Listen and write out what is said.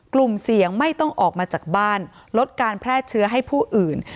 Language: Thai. กลุ่มเสี่ยงไม่ต้องออกมาจากบ้านลดการแพร่เชื้อให้ผู้อื่น